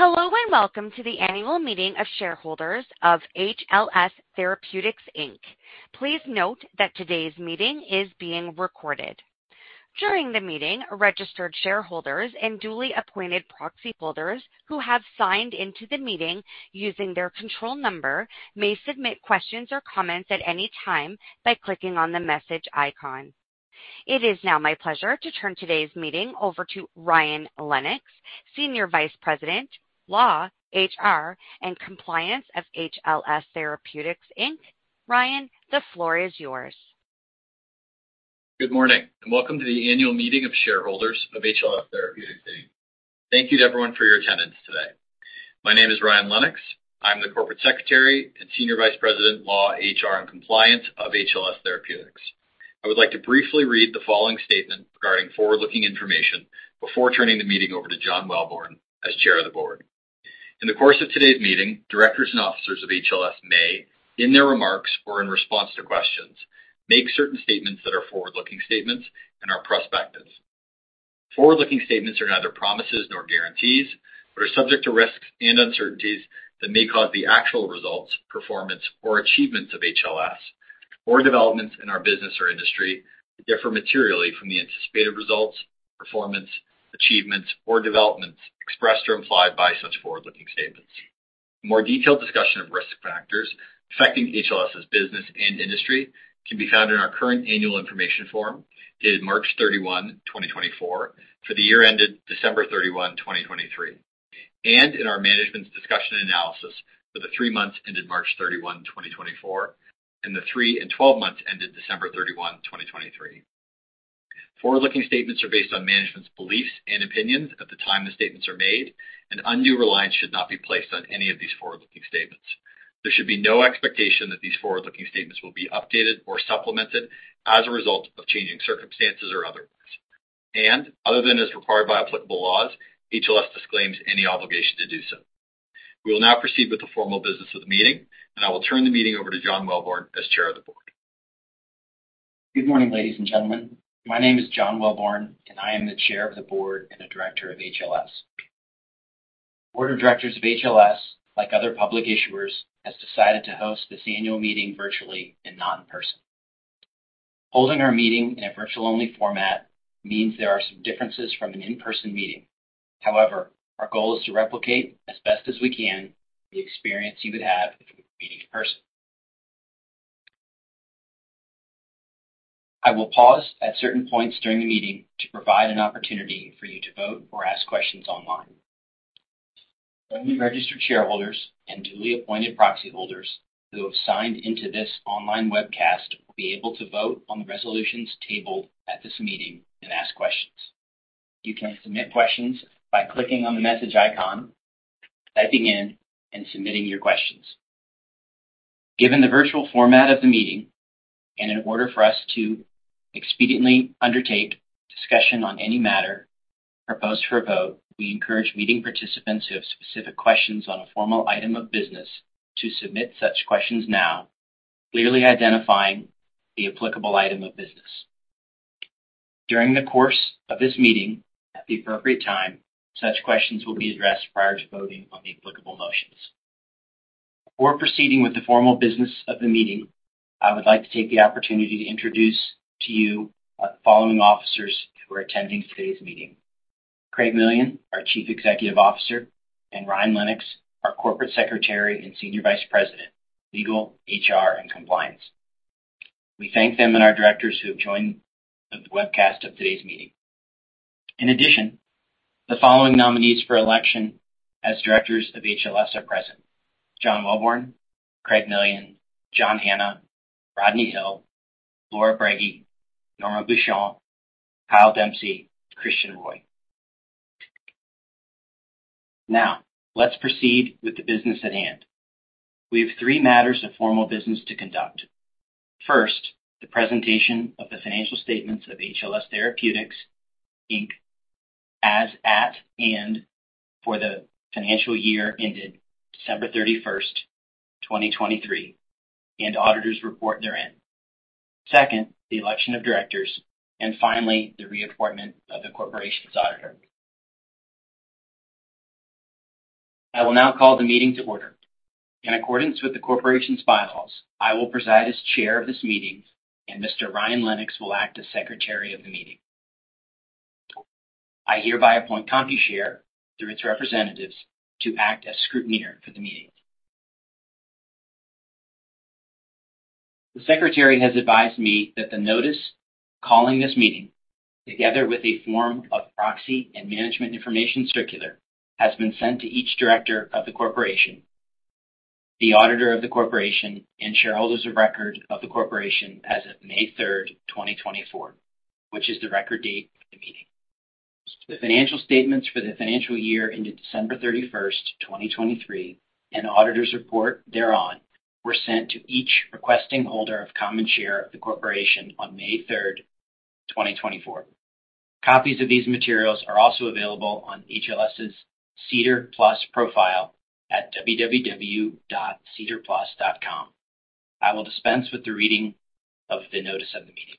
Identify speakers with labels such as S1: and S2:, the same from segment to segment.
S1: Hello and welcome to the annual meeting of shareholders of HLS Therapeutics, Inc. Please note that today's meeting is being recorded. During the meeting, registered shareholders and duly appointed proxy holders who have signed into the meeting using their control number may submit questions or comments at any time by clicking on the message icon. It is now my pleasure to turn today's meeting over to Ryan C. Lennox, Senior Vice President, Law, HR, and Compliance of HLS Therapeutics, Inc. Ryan, the floor is yours.
S2: Good morning and welcome to the annual meeting of shareholders of HLS Therapeutics, Inc. Thank you to everyone for your attendance today. My name is Ryan C. Lennox. I'm the Corporate Secretary and Senior Vice-President, Legal, HR and Compliance of HLS Therapeutics. I would like to briefly read the following statement regarding forward-looking information before turning the meeting over to John Welborn as Chair of the Board. In the course of today's meeting, directors and officers of HLS may, in their remarks or in response to questions, make certain statements that are forward-looking statements and are prospective. Forward-looking statements are neither promises nor guarantees, but are subject to risks and uncertainties that may cause the actual results, performance, or achievements of HLS, or developments in our business or industry to differ materially from the anticipated results, performance, achievements, or developments expressed or implied by such forward-looking statements. A more detailed discussion of risk factors affecting HLS' business and industry can be found in our current annual information form dated March 31st, 2024, for the year ended December 31st, 2023, and in our management's discussion and analysis for the three months ended March 31st, 2024, and the three and 12 months ended December 31st, 2023. Forward-looking statements are based on management's beliefs and opinions at the time the statements are made, and undue reliance should not be placed on any of these forward-looking statements. There should be no expectation that these forward-looking statements will be updated or supplemented as a result of changing circumstances or otherwise. Other than as required by applicable laws, HLS disclaims any obligation to do so. We will now proceed with the formal business of the meeting, and I will turn the meeting over to John Welborn as Chair of the Board.
S3: Good morning, ladies and gentlemen. My name is John Welborn, and I am the Chair of the Board and a Director of HLS. The Board of Directors of HLS, like other public issuers, has decided to host this annual meeting virtually and not in person. Holding our meeting in a virtual-only format means there are some differences from an in-person meeting. However, our goal is to replicate as best as we can the experience you would have if we were meeting in person. I will pause at certain points during the meeting to provide an opportunity for you to vote or ask questions online. Only registered shareholders and duly appointed proxy holders who have signed into this online webcast will be able to vote on the resolutions tabled at this meeting and ask questions. You can submit questions by clicking on the message icon, typing in and submitting your questions. Given the virtual format of the meeting, and in order for us to expediently undertake discussion on any matter proposed for a vote, we encourage meeting participants who have specific questions on a formal item of business to submit such questions now, clearly identifying the applicable item of business. During the course of this meeting, at the appropriate time, such questions will be addressed prior to voting on the applicable motions. Before proceeding with the formal business of the meeting, I would like to take the opportunity to introduce to you the following officers who are attending today's meeting, Craig Millian, our Chief Executive Officer, and Ryan C. Lennox, our Corporate Secretary and Senior Vice President, Legal, HR, and Compliance. We thank them and our directors who have joined the webcast of today's meeting. In addition, the following nominees for election as directors of HLS are present: John Welborn, Craig Millian, John Hanna, Rodney Hill, Laura Brege, Norma Beauchamp, Kyle Dempsey, Christian Roy. Now, let's proceed with the business at hand. We have three matters of formal business to conduct. First, the presentation of the financial statements of HLS Therapeutics, Inc. as at and for the financial year ended December 31st, 2023, and auditor's report therein. Second, the election of directors. Finally, the re-appointment of the corporation's auditor. I will now call the meeting to order. In accordance with the corporation's bylaws, I will preside as chair of this meeting, and Mr. Ryan C. Lennox will act as secretary of the meeting. I hereby appoint Computershare, through its representatives, to act as scrutineer for the meeting. The secretary has advised me that the notice calling this meeting, together with a form of proxy and management information circular, has been sent to each director of the corporation, the auditor of the corporation, and shareholders of record of the corporation as of May 3rd, 2024, which is the record date of the meeting. The financial statements for the financial year ended December 31st, 2023, and auditor's report thereon were sent to each requesting holder of common share of the corporation on May 3rd, 2024. Copies of these materials are also available on HLS's SEDAR+ profile at www.sedarplus.ca. I will dispense with the reading of the notice of the meeting.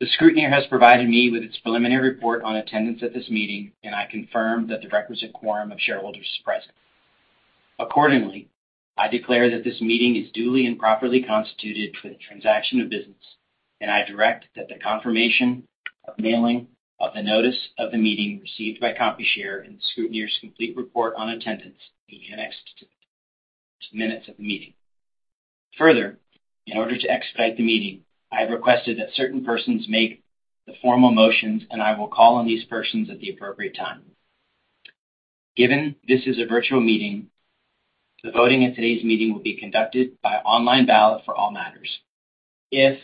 S3: The scrutineer has provided me with its preliminary report on attendance at this meeting, and I confirm that the requisite quorum of shareholders is present. Accordingly, I declare that this meeting is duly and properly constituted for the transaction of business, and I direct that the confirmation of mailing of the notice of the meeting received by Computershare and the scrutineer's complete report on attendance be annexed to the minutes of the meeting. Further, in order to expedite the meeting, I have requested that certain persons make the formal motions, and I will call on these persons at the appropriate time. Given this is a virtual meeting, the voting at today's meeting will be conducted by online ballot for all matters. If,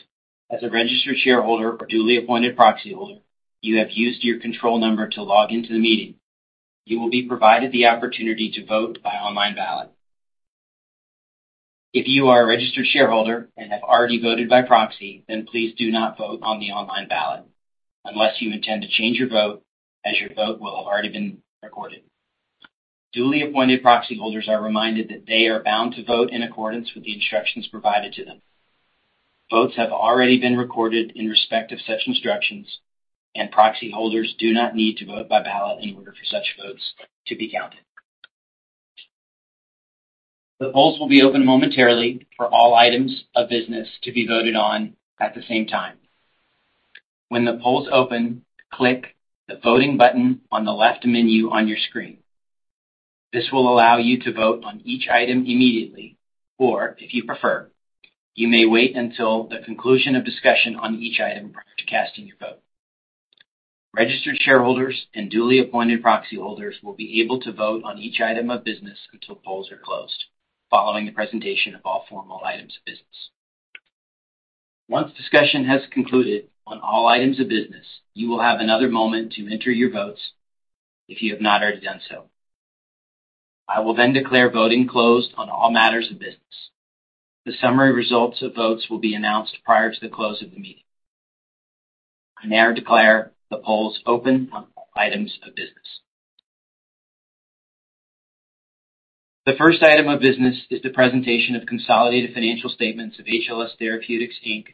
S3: as a registered shareholder or duly appointed proxy holder, you have used your control number to log into the meeting, you will be provided the opportunity to vote by online ballot. If you are a registered shareholder and have already voted by proxy, then please do not vote on the online ballot unless you intend to change your vote, as your vote will have already been recorded. Duly appointed proxy holders are reminded that they are bound to vote in accordance with the instructions provided to them. Votes have already been recorded in respect of such instructions, and proxy holders do not need to vote by ballot in order for such votes to be counted. The polls will be open momentarily for all items of business to be voted on at the same time. When the polls open, click the Voting button on the left menu on your screen. This will allow you to vote on each item immediately or, if you prefer, you may wait until the conclusion of discussion on each item prior to casting your vote. Registered shareholders and duly appointed proxy holders will be able to vote on each item of business until polls are closed, following the presentation of all formal items of business. Once discussion has concluded on all items of business, you will have another moment to enter your votes if you have not already done so. I will then declare voting closed on all matters of business. The summary results of votes will be announced prior to the close of the meeting. I now declare the polls open on all items of business. The first item of business is the presentation of consolidated financial statements of HLS Therapeutics Inc.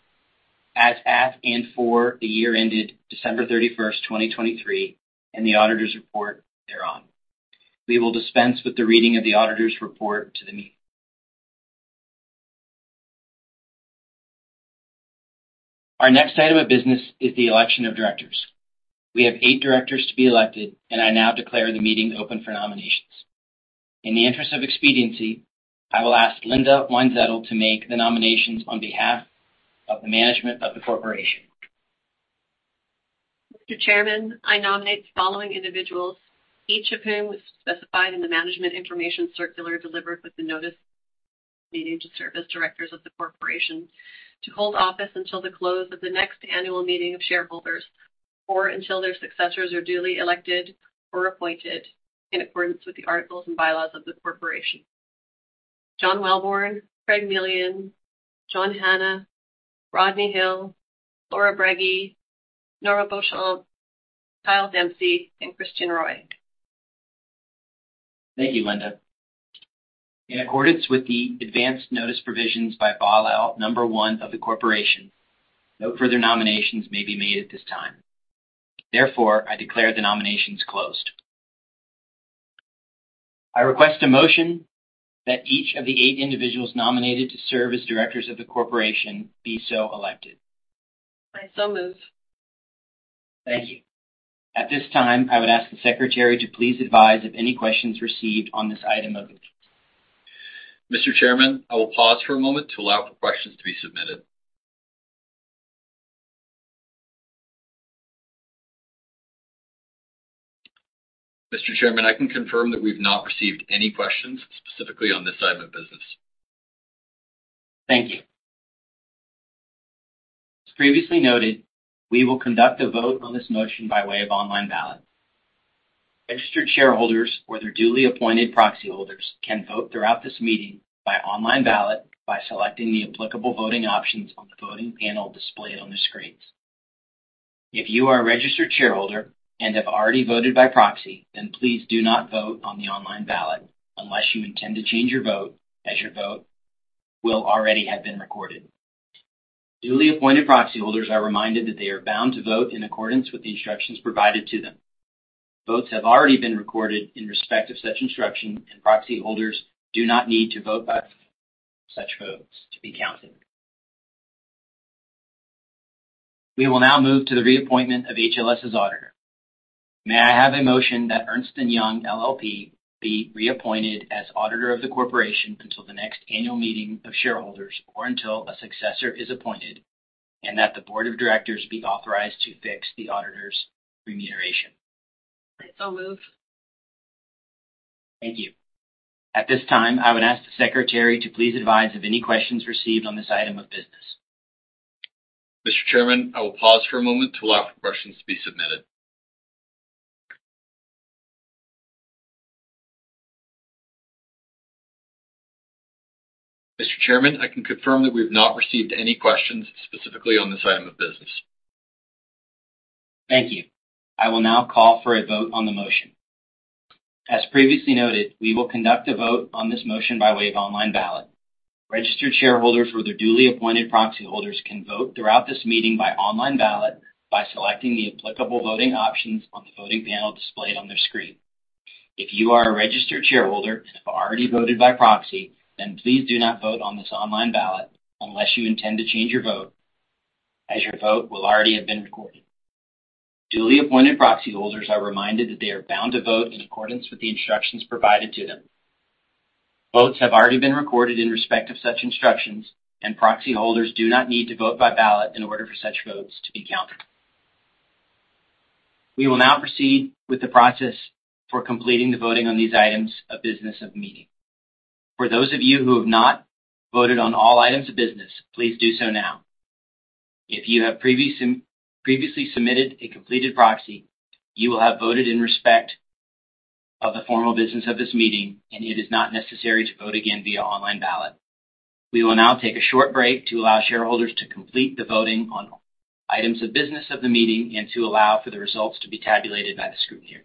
S3: as at and for the year ended December 31st, 2023, and the auditor's report thereon. We will dispense with the reading of the auditor's report to the meeting. Our next item of business is the election of directors. We have eight directors to be elected, and I now declare the meeting open for nominations. In the interest of expediency, I will ask Linda Weinzettl to make the nominations on behalf of the management of the corporation.
S4: Mr. Chairman, I nominate the following individuals, each of whom is specified in the management information circular delivered with the notice of the meeting to serve as directors of the corporation to hold office until the close of the next annual meeting of shareholders, or until their successors are duly elected or appointed in accordance with the articles and bylaws of the corporation. John Welborn, Craig Millian, John Hanna, Rodney Hill, Laura Brege, Norma Beauchamp, Kyle Dempsey, and Christian Roy.
S3: Thank you, Linda. In accordance with the advance notice provisions by Bylaw Number 1 of the corporation, no further nominations may be made at this time. Therefore, I declare the nominations closed. I request a motion that each of the eight individuals nominated to serve as directors of the corporation be so elected.
S4: I so move.
S3: Thank you. At this time, I would ask the secretary to please advise of any questions received on this item of business.
S2: Mr. Chairman, I will pause for a moment to allow for questions to be submitted. Mr. Chairman, I can confirm that we've not received any questions specifically on this item of business.
S3: Thank you. As previously noted, we will conduct a vote on this motion by way of online ballot. Registered shareholders or their duly appointed proxy holders can vote throughout this meeting by online ballot by selecting the applicable voting options on the voting panel displayed on their screens. If you are a registered shareholder and have already voted by proxy, then please do not vote on the online ballot unless you intend to change your vote, as your vote will already have been recorded. Duly appointed proxy holders are reminded that they are bound to vote in accordance with the instructions provided to them. Votes have already been recorded in respect of such instructions, and proxy holders do not need to vote by ballot for such votes to be counted. We will now move to the reappointment of HLS's auditor. May I have a motion that Ernst & Young LLP be reappointed as auditor of the corporation until the next annual meeting of shareholders or until a successor is appointed, and that the board of directors be authorized to fix the auditor's remuneration?
S4: I so move.
S3: Thank you. At this time, I would ask the secretary to please advise of any questions received on this item of business.
S2: Mr. Chairman, I will pause for a moment to allow for questions to be submitted. Mr. Chairman, I can confirm that we've not received any questions specifically on this item of business.
S3: Thank you. I will now call for a vote on the motion. As previously noted, we will conduct a vote on this motion by way of online ballot. Registered shareholders or their duly appointed proxy holders can vote throughout this meeting by online ballot by selecting the applicable voting options on the voting panel displayed on their screen. If you are a registered shareholder and have already voted by proxy, then please do not vote on this online ballot unless you intend to change your vote, as your vote will already have been recorded. Duly appointed proxy holders are reminded that they are bound to vote in accordance with the instructions provided to them. Votes have already been recorded in respect of such instructions, and proxy holders do not need to vote by ballot in order for such votes to be counted. We will now proceed with the process for completing the voting on these items of business of the meeting. For those of you who have not voted on all items of business, please do so now. If you have previously submitted a completed proxy, you will have voted in respect of the formal business of this meeting, and it is not necessary to vote again via online ballot. We will now take a short break to allow shareholders to complete the voting on items of business of the meeting and to allow for the results to be tabulated by the scrutineer.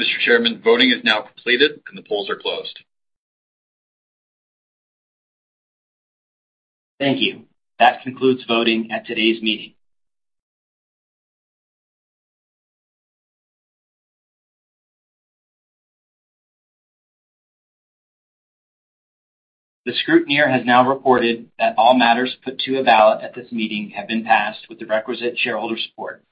S2: Mr. Chairman, voting is now completed, and the polls are closed.
S3: Thank you. That concludes voting at today's meeting. The scrutineer has now reported that all matters put to a ballot at this meeting have been passed with the requisite shareholder support.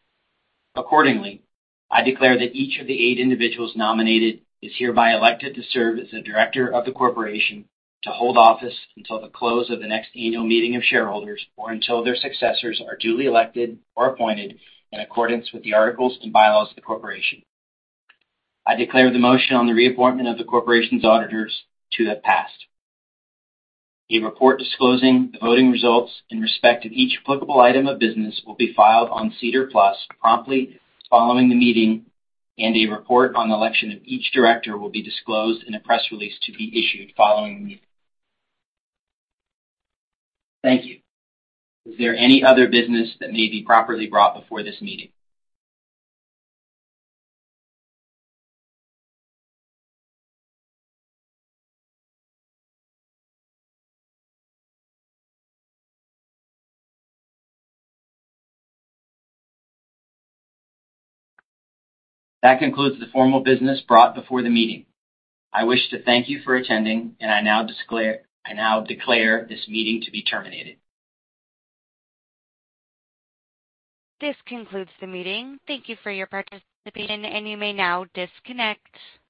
S3: Accordingly, I declare that each of the eight individuals nominated is hereby elected to serve as a director of the corporation to hold office until the close of the next annual meeting of shareholders or until their successors are duly elected or appointed in accordance with the articles and bylaws of the corporation. I declare the motion on the reappointment of the corporation's auditors to have passed. A report disclosing the voting results in respect of each applicable item of business will be filed on SEDAR+ promptly following the meeting, and a report on the election of each director will be disclosed in a press release to be issued following the meeting. Thank you. Is there any other business that may be properly brought before this meeting? That concludes the formal business brought before the meeting. I wish to thank you for attending, and I now declare this meeting to be terminated.
S1: This concludes the meeting. Thank you for your participation, and you may now disconnect.